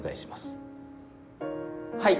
はい。